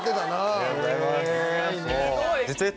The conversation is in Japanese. ありがとうございます。